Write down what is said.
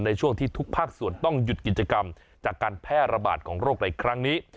ในช่วงที่ทุกภาคส่วนต้องหยุดกิจกรรมจากการแพร่ระบาดของโรคในครั้งนี้